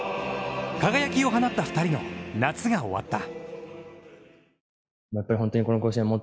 輝きを放った２人の夏が終わった。